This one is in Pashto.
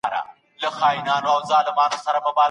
اسمان ته ولاړې قافلې سیالي